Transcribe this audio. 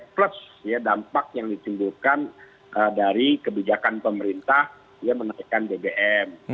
plus dampak yang ditimbulkan dari kebijakan pemerintah menaikkan bbm